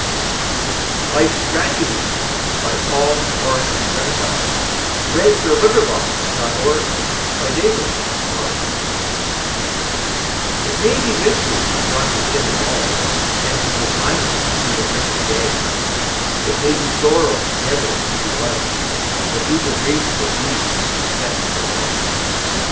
bar — Life's TragedyPaul Laurence Dunbar LIFE'S TRAGEDY It may be misery not to sing at all And to go silent through the brimming day. It may be sorrow never to be loved, But deeper griefs than these beset the way.